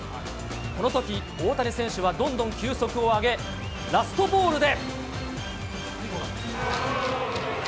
このとき、大谷選手はどんどん球速を上げ、ラストボールで。